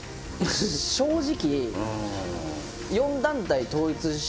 正直。